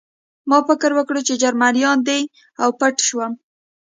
ما فکر وکړ چې جرمنان دي او پټ شوم